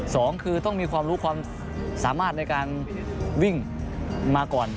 สองคือต้องมีความรู้ความสามารถในการวิ่งมาก่อน